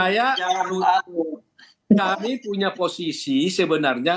saya dulu kami punya posisi sebenarnya